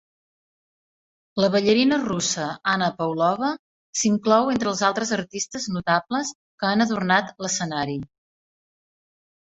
La ballarina russa Anna Pavlova s'inclou entre els altres artistes notables que han adornat l'escenari.